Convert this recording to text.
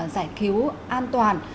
giải cứu an toàn